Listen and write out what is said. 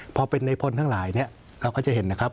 พอเป็นในพลทั้งหลายเนี่ยเราก็จะเห็นนะครับ